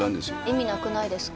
「意味なくないですか？」